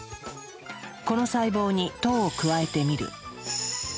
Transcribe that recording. この細胞に糖を加えてみる。